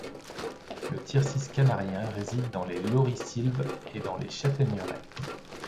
Le Tircis canarien réside dans les laurisylves et les chataigneraies.